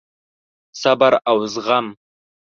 صبر او زغم: